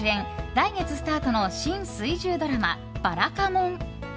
来月スタートの新水１０ドラマ「ばらかもん」。